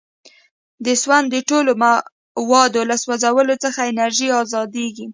د سون د ټولو موادو له سوځولو څخه انرژي ازادیږي.